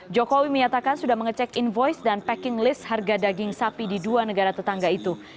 jokowi menyatakan sudah mengecek invoice dan packing list harga daging sapi di dua negara tetangga itu